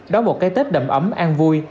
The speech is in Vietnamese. đón một cái tết đậm ấm an vui